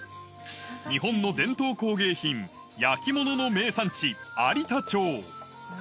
日本の伝統工芸品、焼き物の名産地、有田町。